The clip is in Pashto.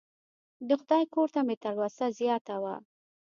د خدای کور ته مې تلوسه زیاته وه.